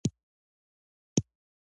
افغان نجونې ولې زده کړې غواړي؟